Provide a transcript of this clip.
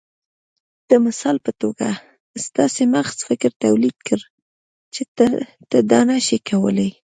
د مثال په توګه ستاسې مغز فکر توليد کړ چې ته دا نشې کولای.